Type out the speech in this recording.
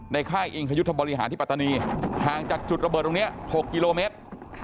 ค่ายอิงคยุทธบริหารที่ปัตตานีห่างจากจุดระเบิดตรงนี้๖กิโลเมตร